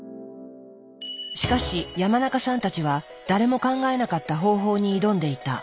しかし山中さんたちは誰も考えなかった方法に挑んでいた。